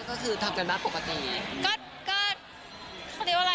ก็คือทำกันมากปกติ